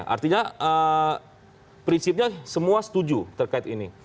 artinya prinsipnya semua setuju terkait ini